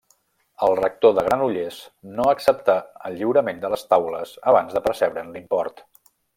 El rector de Granollers no acceptà el lliurament de les taules abans de percebre'n l'import.